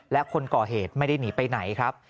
และคนก่อเหตุไม่ได้หนีไปไหนครับ